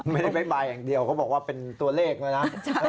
บ๊ายบายอย่างเดียวเขาบอกว่าเป็นตัวเลขด้วยนะ